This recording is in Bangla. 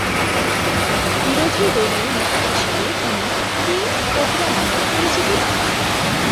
বিরোধীদলীয় নেতা হিসেবে তিনি "কিং কোবরা" নামে পরিচিতি পান।